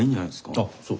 あっそう。